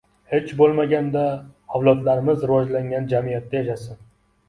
Hech boʻlmaganda avlodlarimiz rivojlangan jamiyatda yashasin.